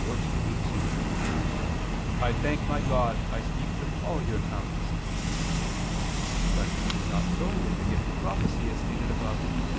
14:18): "I thank my God I speak with all your tongues." But it is not so with the gift of prophecy, as stated above (Q.